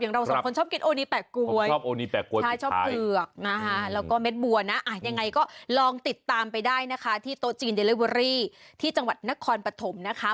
อย่างเราสองคนชอบกินโอนีแปลกกลวยชอบเผือกแล้วก็เม็ดบัวนะยังไงก็ลองติดตามไปได้นะคะที่โต๊ะจีนเดลิเวอรี่ที่จังหวัดนครปฐมนะคะ